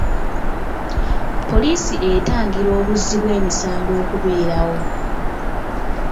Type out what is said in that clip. Poliisi etangira obuzzi bw'emisango okubeerawo.